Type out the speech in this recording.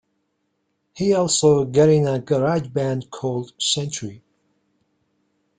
He also got in a garage band called "Century".